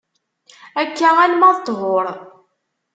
Akka alemma d ṭhur.